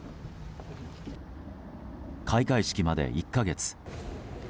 開会式まで１か月。